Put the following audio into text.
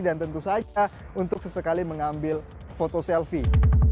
dan tentu saja untuk sesekali mengambil foto selfie